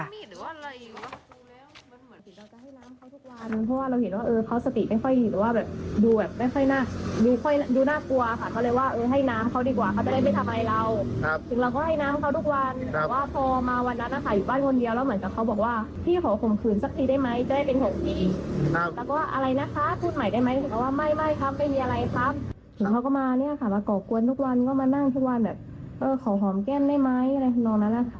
เออขอหอมแก้มได้ไหมอะไรนอกนั้นนะคะ